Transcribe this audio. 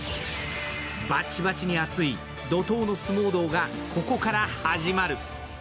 バチバチに熱い怒とうの相撲道がここから始まる。